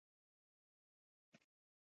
د نقرس حملې پرې ډېر ژر ژر راتلې.